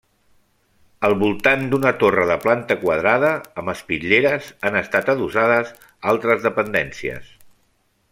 Al voltant d'una torre de planta quadrada, amb espitlleres, han estat adossades altres dependències.